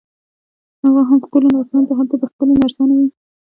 هغه هم ښکلو نرسانو ته، هلته به ښکلې نرسانې وي.